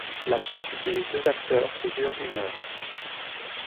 La pièce utilise deux acteurs et dure une heure.